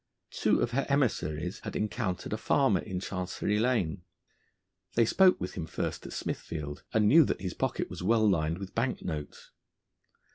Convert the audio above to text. Two of her emissaries had encountered a farmer in Chancery Lane. They spoke with him first at Smithfield, and knew that his pocket was well lined with bank notes.